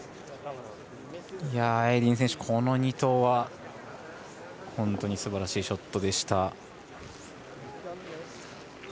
エディン選手、この２投は本当にすばらしいショットでした。